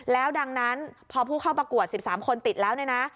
แล้วดังนั้นพอผู้เข้าประกวด๑๓คนติดแล้วเนี่ยนะ